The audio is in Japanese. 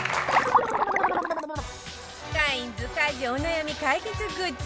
カインズ家事お悩み解決グッズ